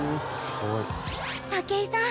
竹井さん